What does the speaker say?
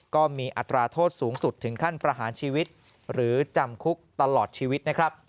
ก็มีอัตราโทษสูงสุดถึงขั้นประหารชีวิตหรือจำคุกตลอดชีวิตนะครับ